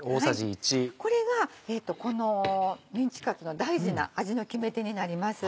これがこのメンチカツの大事な味の決め手になります。